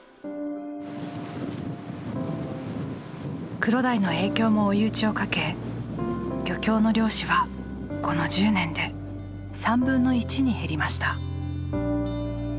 クロダイの影響も追い打ちをかけ漁協の漁師はこの１０年で３分の１に減りました。